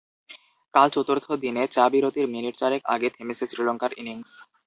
কাল চতুর্থ দিনে চা বিরতির মিনিট চারেক আগে থেমেছে শ্রীলঙ্কার ইনিংস।